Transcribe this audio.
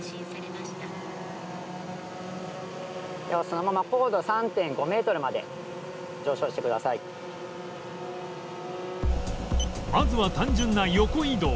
ではそのまままずは単純な横移動